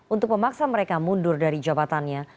untuk memaksa mereka mundur dari jabatannya